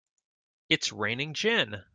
It's raining gin!